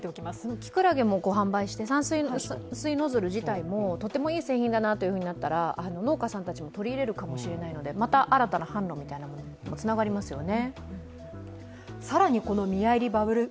きくらげも販売して散水ノズルもとてもいい製品だなとなったら農家さんたちも取り入れるかもしれないのでまた新たな販路みたいなものにもつながりますよね。